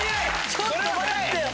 ちょっと待ってよ。